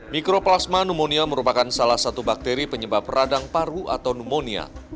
mikroplasma pneumonia merupakan salah satu bakteri penyebab radang paru atau pneumonia